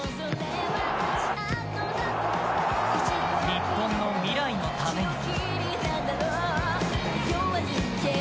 日本の未来のために。